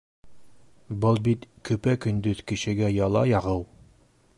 Был бит көпә-көндөҙ кешегә яла яғыу!